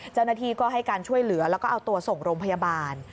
เจ้าหน้าที่ก็ให้การช่วยเหลือแล้วก็เอาตัวส่งโรงพยาบาล